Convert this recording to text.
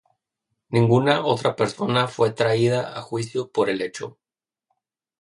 Ninguna otra persona fue traída a juicio por el hecho.